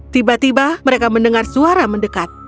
tiba tiba mereka mendengar suara mendekat